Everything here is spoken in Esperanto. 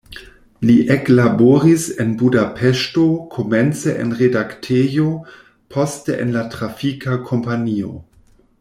Li eklaboris en Budapeŝto komence en redaktejo, poste en la trafika kompanio.